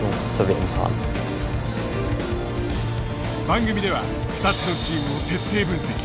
番組では２つのチームを徹底分析。